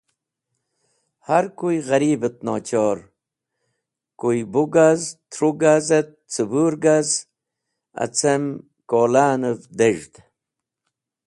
Harkuy gharib et nochor, kuy bu gaz, tru gaz et cẽbũr gaz acem kola’nev dez̃hd.